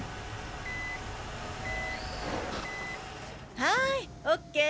はいオッケー。